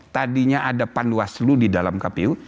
tadinya ada panwaslu di dalam kpu